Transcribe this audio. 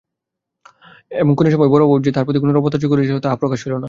এবং খুনে সময় বড়োবউ যে তাহার প্রতি কোনোরূপ অত্যাচার করিয়াছিল তাহা প্রকাশ হইল না।